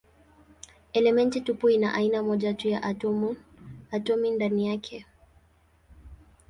Elementi tupu ina aina moja tu ya atomi ndani yake.